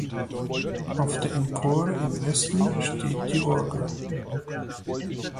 Auf der Empore im Westen steht die Orgel.